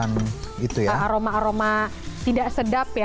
ya kan tadi juga soda juga bisa menghilangkan aroma aroma tidak sedap ya